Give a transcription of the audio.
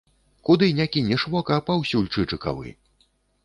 Куды не кінеш вока, паўсюль чычыкавы.